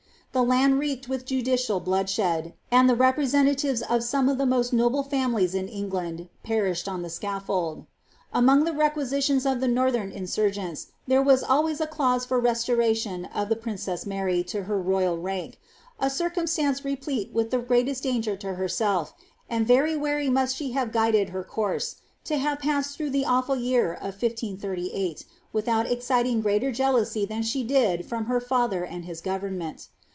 The land reeked with judicial bloudshed, and ibe representatives of some of the most noble families in England perished on the scaffold. Among the requisitions of the noriheni ia* surgcnts there was always a clause for the restoration of the princess Mary to her royal rank — a circumstance replete with (he greatest danger to herself; and very warily must she have guided her course, lo have passed through ihe awful year of 1 538, without exciting greater jealousy than she did from her father and his government.